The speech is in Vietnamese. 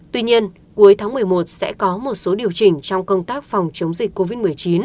tuy nhiên cuối tháng một mươi một sẽ có một số điều chỉnh trong công tác phòng chống dịch covid một mươi chín